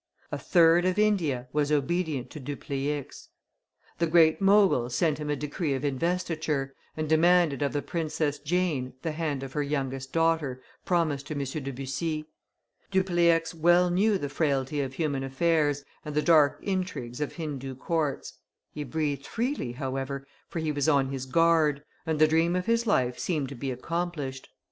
A third of India was obedient to Dupleix; the Great Mogul sent him a decree of investiture, and demanded of the Princess Jane the hand of her youngest daughter, promised to M. de Bussy. Dupleix well know the frailty of human affairs, and the dark intrigues of Hindoo courts; he breathed freely, however, for he was on his guard, and the dream of his life seemed to be accomplished.